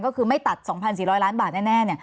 ก็คือไม่ตัด๒๔๐๐ล้านบาทแน่